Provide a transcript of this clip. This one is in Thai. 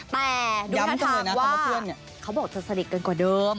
แต่ด้วยค่าถามว่าเขาบอกจะสนิทกันกว่าเดิม